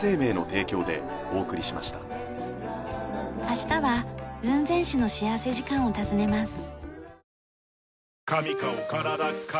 明日は雲仙市の幸福時間を訪ねます。